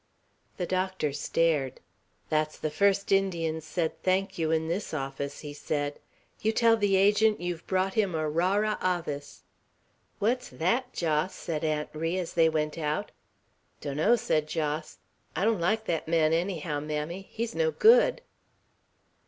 The doctor stared. "That's the first Indian's said 'Thank you' in this office," he said. "You tell the Agent you've brought him a rara avis." "What's that, Jos?" said Aunt Ri, as they went out. "Donno!" said Jos. "I don't like thet man, anyhow, mammy. He's no good."